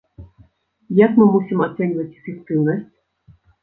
Як мы мусім ацэньваць эфектыўнасць?